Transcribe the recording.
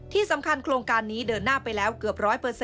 ที่สำคัญโครงการนี้เดินหน้าไปแล้วเกือบ๑๐๐